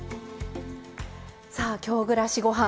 さあ「京暮らしごはん」